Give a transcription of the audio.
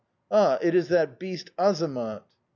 Ah, it is that beast Azamat!...